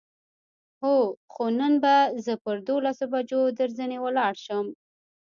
هو، خو نن به زه پر دولسو بجو درځنې ولاړ شم.